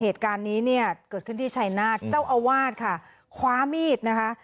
เหตุการณ์นี้เนี่ยเกิดขึ้นที่ชายนาฏเจ้าอาวาสค่ะคว้ามีดนะคะ